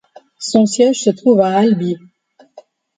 Son siège se trouve à Albi.